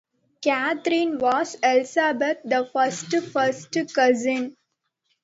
Catherine was Elizabeth the First's first cousin.